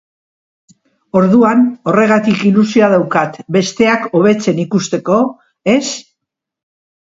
Orduan, horregatik ilusioa daukat, besteak hobetzen ikusteko, ez?